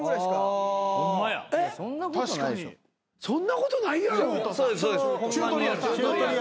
そんなことないやろ。